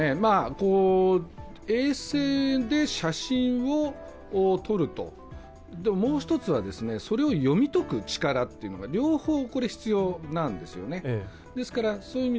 衛星で写真を撮るともう一つは、それを読み解く力両方必要なんですね。